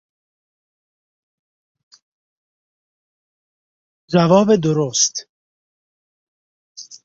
جواب درست